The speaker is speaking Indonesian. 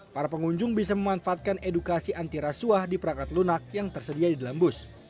para pengunjung bisa memanfaatkan edukasi antirasuah di perangkat lunak yang tersedia di dalam bus